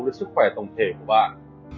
đến sức khỏe tổng thể của bạn